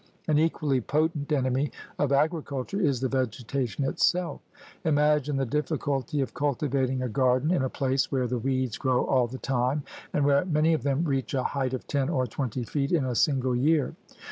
An equally potent enemy of agriculture is the vegetation itself. Imagine the difficulty of cultivating a garden in a place where the weeds grow all the time and where many of them reach a height of ten or twenty feet in a single year.